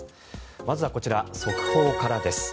まずはこちら、速報からです。